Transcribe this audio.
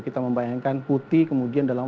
kita membayangkan putih kemudian dalam